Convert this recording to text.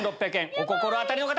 お心当たりの方！